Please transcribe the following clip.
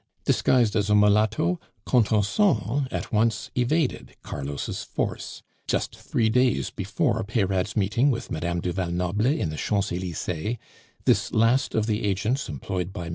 Disguised as a mulatto, Contenson at once evaded Carlos' force. Just three days before Peyrade's meeting with Madame du Val Noble in the Champs Elysees, this last of the agents employed by MM.